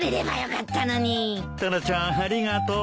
タラちゃんありがとう。